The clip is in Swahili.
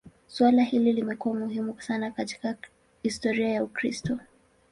Suala hili limekuwa muhimu sana katika historia ya Ukristo.